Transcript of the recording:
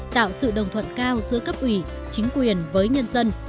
tạo sự đồng thuận cao giữa cấp ủy chính quyền với nhân dân